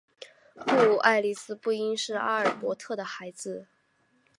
故爱丽丝不应是阿尔伯特的孩子。